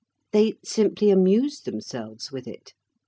They simply amused themselves with it.